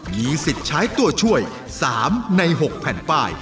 มีสิทธิ์ใช้ตัวช่วย๓ใน๖แผ่นป้าย